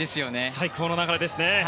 最高の流れですね。